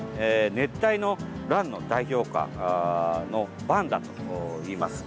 熱帯のランの代表花のバンダといいます。